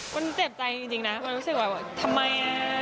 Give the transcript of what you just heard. มันเจ็บใจจริงนะมันรู้สึกว่าทำไม